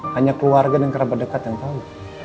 hanya keluarga dan kerabat dekat yang tahu